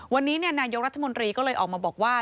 วันนี้นายกรัฐมนตรีก็เลยออกมาบอกว่า